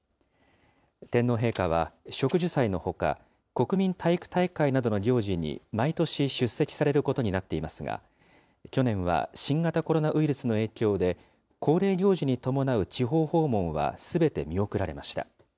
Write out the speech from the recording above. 天皇陛下は植樹祭のほか、国民体育大会などの行事に毎年出席されることになっていますが、去年は新型コロナウイルスの影響で、恒例行事に伴う地方訪問はすべて見送られました。